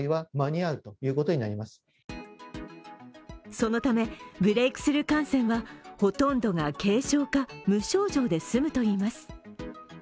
そのため、ブレークスルー感染はほとんどが軽症か、無症状で済むといいます。